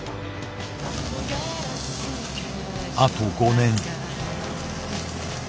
あと５年。